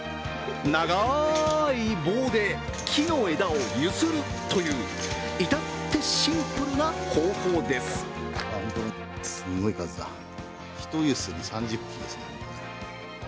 長い棒で木の枝を揺するという至ってシンプルな方法です。